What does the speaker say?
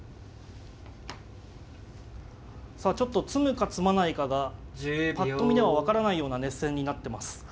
さあちょっと詰むか詰まないかがぱっと見には分からないような熱戦になってます。